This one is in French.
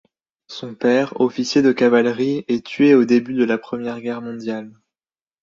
Son père, officier de cavalerie, est tué au début de la Première Guerre mondiale.